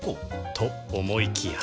と思いきや